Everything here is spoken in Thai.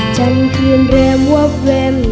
จันทร์เพื่อนแรมวะแวม